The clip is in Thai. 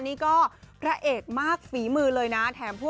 นี่ก็พระเอกมากฝีมือเลยนะ